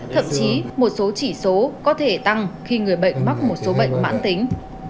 thậm chí một số chỉ số có thể tăng khi người bệnh mắc một số bệnh mãn tính